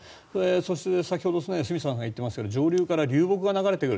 そして先ほど、住田さんが言ってましたが上流から流木が流れてくる。